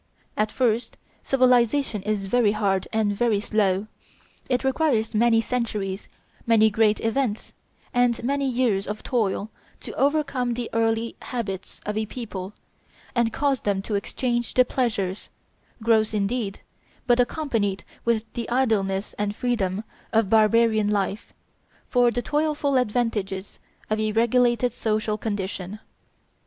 At first civilization is very hard and very slow; it requires many centuries, many great events, and many years of toil to overcome the early habits of a people, and cause them to exchange the pleasures, gross indeed, but accompanied with the idleness and freedom of barbarian life, for the toilful advantages of a regulated social condition.